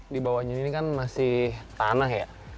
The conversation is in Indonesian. dibawanya ini kan masih tanah ya